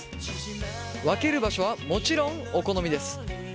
分ける場所はもちろんお好みです。